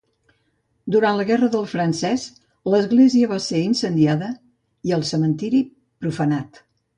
Durant la guerra del Francès l'església va ser incendiada i el cementiri profanat.